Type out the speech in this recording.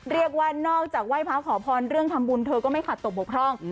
เรียกว่านอกจากไหว้พระขอพรเรื่องทำบุญเธอก็ไม่ขัดตกบกพร่อง